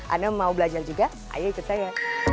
anda mau belajar juga ayo ikut saya